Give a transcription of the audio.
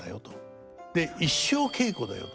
で一生稽古だよ。